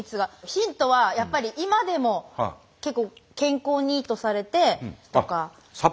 ヒントはやっぱり今でも結構健康にいいとされてとか。